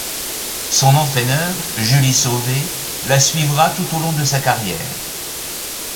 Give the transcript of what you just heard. Son entraîneur, Julie Sauvé, la suivra tout au long de sa carrière.